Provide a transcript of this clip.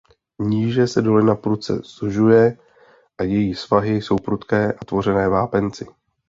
Níže se dolina prudce zužuje a její svahy jsou prudké a tvořené vápenci.